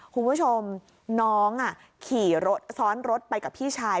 คุณผู้ชมน้องขี่รถซ้อนรถไปกับพี่ชาย